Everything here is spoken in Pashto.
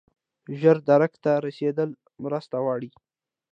ژور درک ته رسیدل مرسته غواړي.